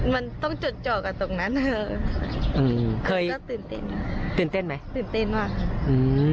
มันต้องจดจอกกับตรงนั้นอืมเคยแล้วตื่นเต้นตื่นเต้นไหมตื่นเต้นมากอืม